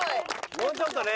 もうちょっとね。